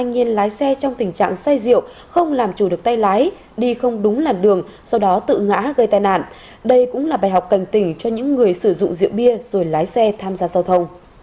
hãy nhớ like share và đăng ký kênh của chúng mình nhé